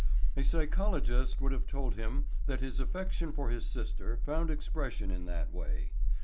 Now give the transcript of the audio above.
A psychologist would have told him that his affection for his sister found expression in that way.